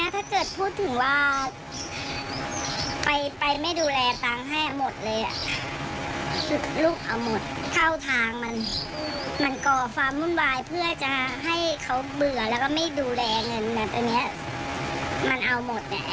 ถ้าความรู้สึกของพี่นะถ้าเกิดพูดถึงว่า